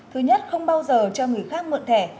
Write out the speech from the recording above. thứ nhất không bao giờ cho người khác mượn thẻ